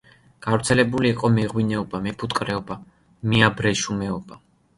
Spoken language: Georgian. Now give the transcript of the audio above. გავრცელებული იყო მეღვინეობა, მეფუტკრეობა, მეაბრეშუმეობა.